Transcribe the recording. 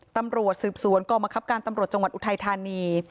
ตำรวจสืบสวนกองบังคับการตำรวจจังหวัดอุทัยธานี